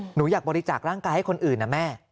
หนูอยากบริจาคร่างกายให้คนอื่นนะแม่